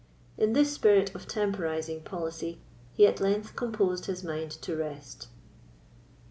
In this spirit of temporising policy, he at length composed his mind to rest.